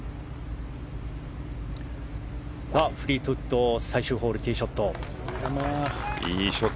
フリートウッド、最終ホールティーショット。